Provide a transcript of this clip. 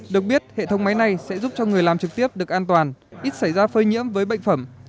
được biết hệ thống máy này sẽ giúp cho người làm trực tiếp được an toàn ít xảy ra phơi nhiễm với bệnh phẩm